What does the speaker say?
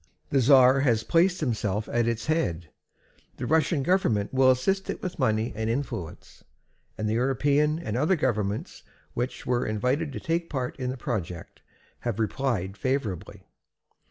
The czar has placed himself at its head, the Russian government will assist it with money and influence, and the European and other governments which were invited to take part in the project have replied favorably.